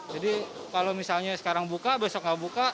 jadi kalau misalnya sekarang buka besok nggak buka